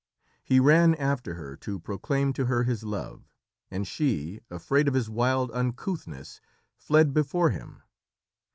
He ran after her to proclaim to her his love, and she, afraid of his wild uncouthness, fled before him.